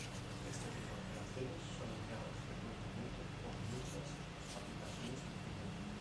Este tipo de operaciones son empleadas frecuentemente por muchas aplicaciones multimedia.